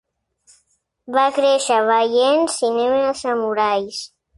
Va créixer veient cinema de samurais.